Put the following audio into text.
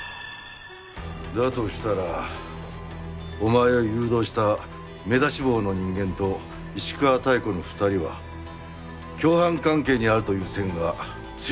だとしたらお前を誘導した目出し帽の人間と石川妙子の２人は共犯関係にあるという線が強いな。